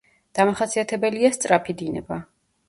დამახასიათებელია სწრაფი დინება.